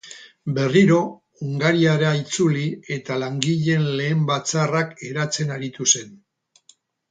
Berriro Hungariara itzuli eta langileen lehen batzarrak eratzen aritu zen.